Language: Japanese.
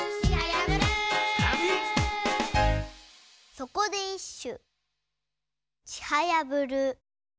そこでいっしゅ。